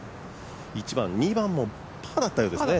１番、２番もパーだったようですね。